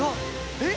えっ！